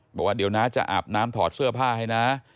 บอกว่าเดี๋ยวน้าจะอาบน้ำถอดเสื้อผ้าให้นะ